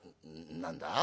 何だ？